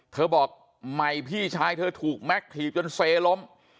เธอบอกใหม่พี่ชายเธอถูกแม็กซ์ถีบจนเสลล้ม